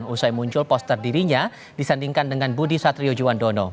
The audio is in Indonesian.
usai muncul poster dirinya disandingkan dengan budi satrio juwandono